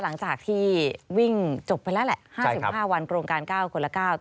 หลังจากที่วิ่งจบไปแล้วแหละ๕๕วันโครงการ๙คนละ๙